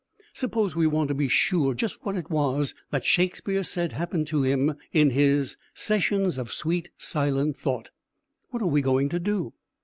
Suppose we want to be sure just what it was that Shakespeare said happened to him in his "sessions of sweet silent thought," what are we going to do?